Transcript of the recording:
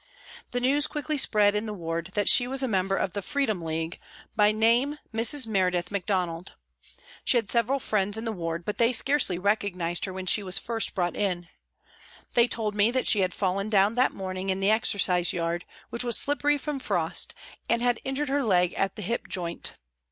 The news quickly spread in the ward that she was a member of the Freedom League, by name SOME TYPES OF PRISONERS 115 Mrs. Meredith Macdonald. She had several friends in the ward, but they scarcely recognised her when she was first brought in. They told me that she had fallen down that morning in the exercise yard, which was slippery from frost, and had injured her leg at the hip joint.